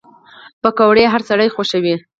پکورې هر سړی خوښوي